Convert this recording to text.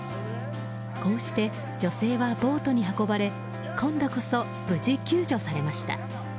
こうして女性はボートに運ばれ今度こそ無事、救助されました。